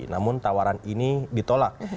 namun tawaran ini ditolak